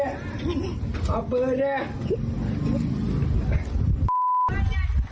เอาเปิดนี่